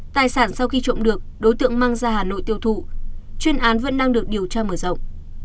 tài sản sau khi trộm được đối tượng mang ra hà nội tiêu thụ chuyên án vẫn đang được điều tra mở rộng